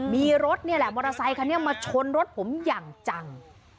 มีรถนี่แหละมอเตอร์ไซคันนี้มาชนรถผมอย่างจัง